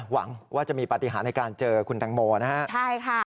หวังว่าจะมีปฏิหารในการเจอคุณแตงโมนะฮะใช่ค่ะ